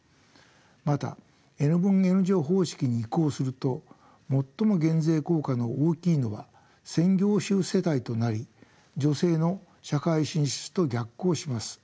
またＮ分Ｎ乗方式に移行すると最も減税効果の大きいのは専業主婦世帯となり女性の社会進出と逆行します。